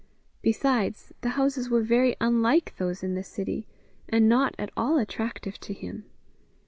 Besides, the houses were very unlike those in the city, and not at all attractive to him.